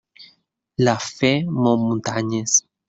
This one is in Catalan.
La fe mou muntanyes.